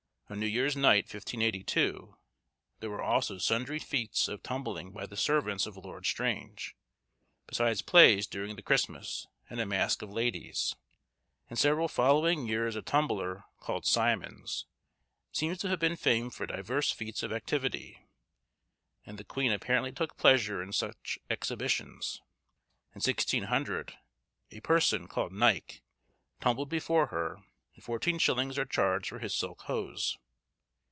On New Year's Night 1582, there were also sundry feats of tumbling by the servants of Lord Strange, besides plays during the Christmas, and a mask of ladies. In several following years a tumbler, called Symons, seems to have been famed for divers feats of activity, and the queen apparently took pleasure in such exhibitions. In 1600, a person, called Nycke, tumbled before her, and 14_s._ are charged for his silk hose.